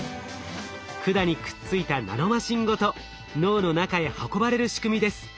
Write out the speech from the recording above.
管にくっついたナノマシンごと脳の中へ運ばれる仕組みです。